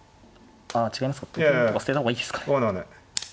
あ違いますか？と金とか捨てた方がいいですかね。